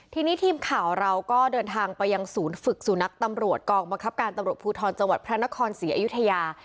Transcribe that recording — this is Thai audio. ทีนี้ทีมข่าวเราก็เดินทางไปยังศูนย์ฝึกสุนัขตำรวจกองบังคับการตำรวจภูทรจังหวัดพระนครศรีอยุธยา